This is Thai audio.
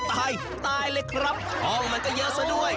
ตายตายเลยครับห้องมันก็เยอะซะด้วย